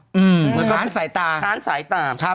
เหมือนท้านสายตา